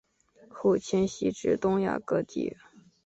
后迁徙至东亚各地。